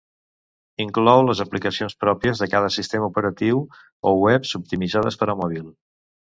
Inclou les aplicacions pròpies de cada sistema operatiu o webs optimitzades per a mòbil.